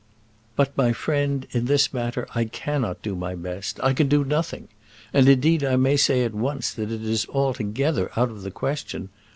"But, my friend, in this matter I cannot do my best. I can do nothing. And, indeed, I may say at once, that it is altogether out of the question.